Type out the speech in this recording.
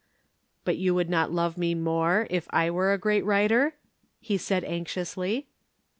"But you would not love me more, if I were a great writer?" he said anxiously.